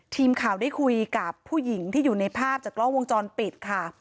ทีมข่าวได้คุยกับผู้หญิงที่อยู่ในภาพจากกล้องวงจรปิดค่ะ